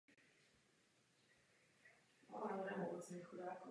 Pravdou je, že euro nebylo příčinou problému.